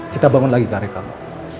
kita bangun lagi karya kamu